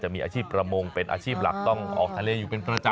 มีอาชีพประมงเป็นอาชีพหลักต้องออกทะเลอยู่เป็นประจำ